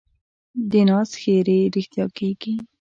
د ناز ښېرې رښتیا کېږي.